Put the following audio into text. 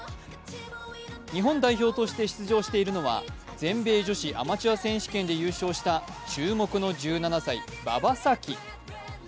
日本代表として出場しているのは全米女子アマチュアチーム選手権で優勝している注目の１７歳、馬場咲希。